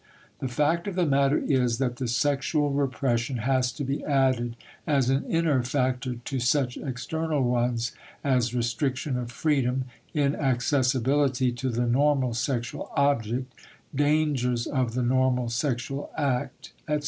The fact of the matter is that the sexual repression has to be added as an inner factor to such external ones as restriction of freedom, inaccessibility to the normal sexual object, dangers of the normal sexual act, etc.